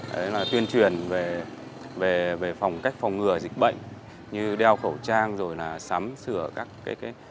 đấy là tuyên truyền về phòng cách phòng ngừa dịch bệnh như đeo khẩu trang rồi là sắm sửa các cái